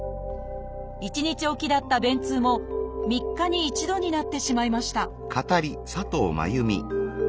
１日置きだった便通も３日に一度になってしまいました